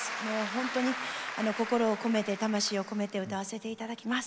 本当に心を込めて魂を込めて歌わせて頂きます。